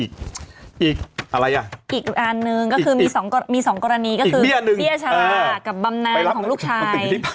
ก็คือมี๒กรณีก็คือเบี้ยฉลากกับบำนานของลูกชาย